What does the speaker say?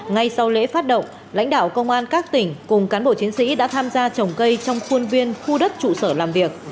ngay sau lễ phát động lãnh đạo công an các tỉnh cùng cán bộ chiến sĩ đã tham gia trồng cây trong khuôn viên khu đất trụ sở làm việc